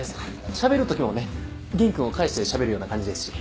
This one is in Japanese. しゃべる時もね元気君を介してしゃべるような感じですし。